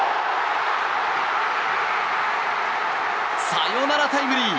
サヨナラタイムリー！